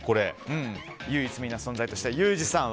唯一無二な存在としてはユージさん。